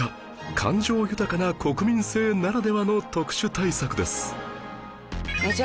感情豊かな国民性ならではの特殊対策です